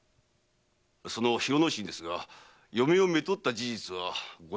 その広之進ですが嫁をめとった事実はございません。